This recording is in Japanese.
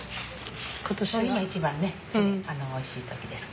今一番ねおいしい時です。